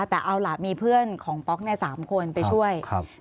แต่เอาหลับมีเพื่อนของป๊อก๓คนไปช่วย